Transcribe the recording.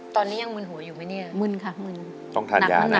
ตอนนี้ยังมึนหัวอยู่มั้ยเนี่ย